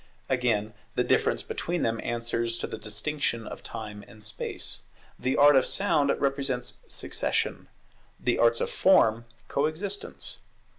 Again, the difference between them answers to the distinction of Time and Space. The art of sound represents succession; the arts of form, co existence.